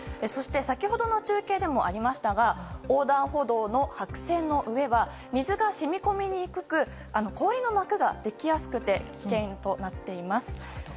そして、先ほどの中継でもありましたが横断歩道の白線の上は水が染み込みにくく、氷の膜ができやすくて危険となっています。